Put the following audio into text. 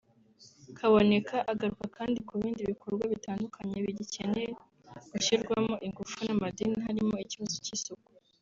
Kaboneka agaruka kandi ku bindi bikorwa bitandukanye bigikeneye gushyirwamo ingufu n’amadini harimo ikibazo cy’isuku